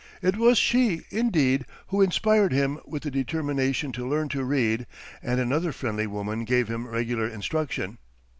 It was she, indeed, who inspired him with the determination to learn to read, and another friendly woman gave him regular instruction.